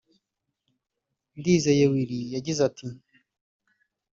Ndizeye Willy yagize ati